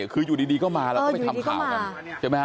คืออยู่ดีก็มาแล้วก็ไปทำข่าวกัน